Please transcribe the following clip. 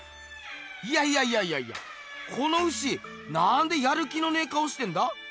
いやいやいやいやこの牛なんでやる気のねえ顔してんだ？